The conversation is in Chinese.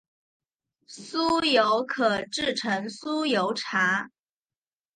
酥油可制成酥油茶。